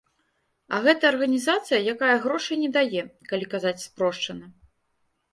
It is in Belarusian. А гэта арганізацыя, якая грошай не дае, калі казаць спрошчана.